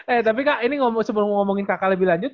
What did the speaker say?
eh tapi kak ini sebelum ngomongin kakak lebih lanjut